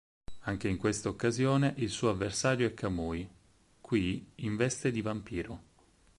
Anche in questa occasione il suo avversario è Kamui, qui in veste di vampiro.